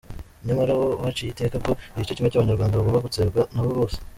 Nyamara bo baciye iteka ko igice kimwe cy’Abanyarwanda bagomba gutsembwa n’ababo bose.